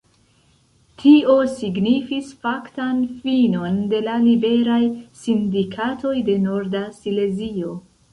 Tio signifis faktan finon de la Liberaj Sindikatoj de Norda Silezio.